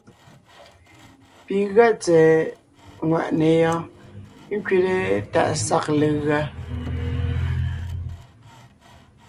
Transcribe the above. Pi gʉa tsɛ̀ɛ ŋwàʼne yɔɔn ńkẅile tàʼ sag legʉa.